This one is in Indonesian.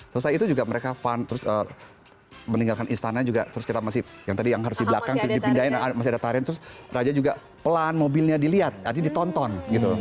selesai itu juga mereka fun terus meninggalkan istana juga terus kita masih yang tadi yang harus di belakang dipindahin masih ada tarian terus raja juga pelan mobilnya dilihat artinya ditonton gitu